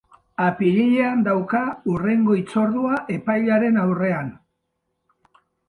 Apirilean dauka hurrengo hitzordua epailearen aurrean.